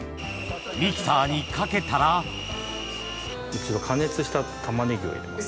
ミキサーにかけたら一度加熱したタマネギを入れます。